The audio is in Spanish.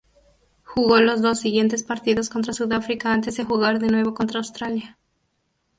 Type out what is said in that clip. Jugó los dos siguientes partidos contra Sudáfrica antes de jugar de nuevo contra Australia.